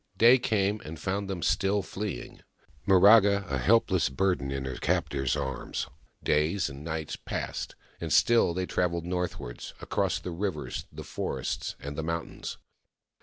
Day came, and found them still fleeing, Miraga a helpless burden in her captor's arms. Days and nights passed, and still they travelled northwards, across the rivers, the forest, and the mountains.